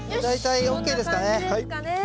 大体ＯＫですかね。